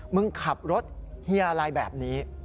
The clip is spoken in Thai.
มึงขับรถเฮียอะไรแบบนี้